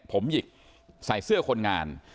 ผมหยิกใส่เสื้อคนงาน